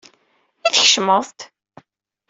I tkecmeḍ-d?